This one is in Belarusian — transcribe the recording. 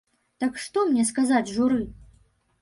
Так што мне сказаць журы?